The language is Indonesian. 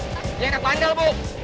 yang terpandal bu